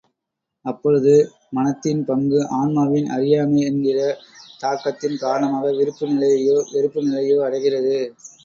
அப்பொழுது மனத்தின் பங்கு ஆன்மாவின் அறியாமை என்கிற தாக்கத்தின் காரணமாக விருப்பு நிலையையோ வெறுப்பு நிலையையோ அடைகிறது.